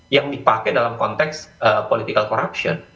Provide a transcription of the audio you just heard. yang dipakai dalam konteks political corruption